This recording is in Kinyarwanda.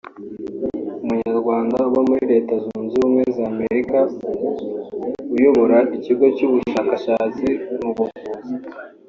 umunyarwanda uba muri Leta Zunze Ubumwe za Amerika uyobora ikigo cy’ubushakashatsi mu buvuzi